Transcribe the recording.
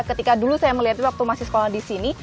ketika dulu saya melihat waktu masih sekolah disini